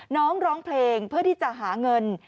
ร้องเพลงเพื่อที่จะหาเงิน